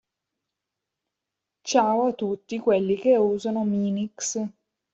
Ciao a tutti quelli che usano Minix.